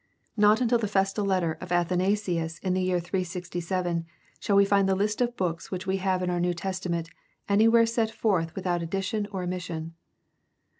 Not until the festal letter of Athanasius in the year 367 shall we find the list of books which we have in our New Testament anywhere set forth without addition or omission.